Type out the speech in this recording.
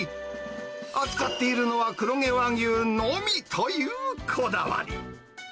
扱っているのは、黒毛和牛のみというこだわり。